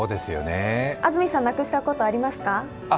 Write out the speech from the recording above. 安住さん、なくしたことありますか？